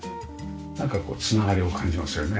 なんかこう繋がりを感じますよね。